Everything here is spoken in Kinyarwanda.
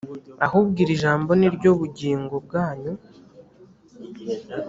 ahubwo iri jambo ni ryo bugingo bwanyu,